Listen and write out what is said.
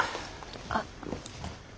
あっ。